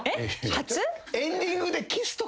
初？